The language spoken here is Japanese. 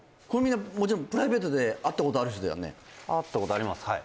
これみんなもちろんプライベートで会ったことある人だよね会ったことあります